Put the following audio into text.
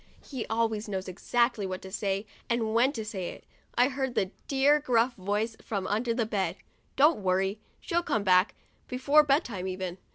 (he always knows exactly what to say and when to say it) I heard that dear gruff voice from under the bed, "Don't worry! She'll come back, before bedtime even."